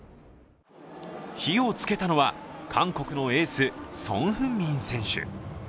火をつけたのは韓国のエース、ソン・フンミン選手。